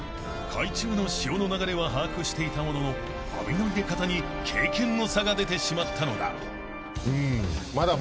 ［海中の潮の流れは把握していたものの網の入れ方に経験の差が出てしまったのだ］